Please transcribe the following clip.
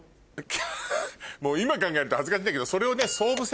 今考えると恥ずかしいんだけどそれをね。